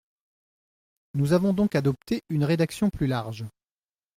Nous avons donc adopté une rédaction plus large.